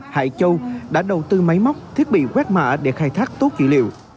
hải châu đã đầu tư máy móc thiết bị quét mạ để khai thác tốt dữ liệu